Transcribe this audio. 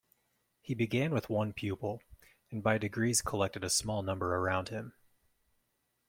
He began with one pupil, and by degrees collected a small number around him.